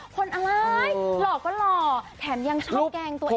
คนอะไรหล่อก็หล่อแถมยังชอบแกล้งตัวเอง